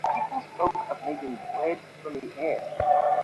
দেড়টার সময় দুই আম্পায়ার মাঠ পরিদর্শন করে খেলা শুরুর সময়ও ঘোষণা করেছিলেন।